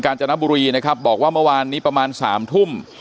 จนบุรีนะครับบอกว่าเมื่อวานนี้ประมาณสามทุ่ม